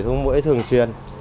xuống mũi thường xuyên